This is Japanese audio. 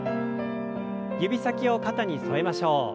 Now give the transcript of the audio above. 指先を肩に添えましょう。